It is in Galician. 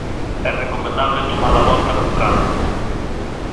É recomendable tomar a volta con calma.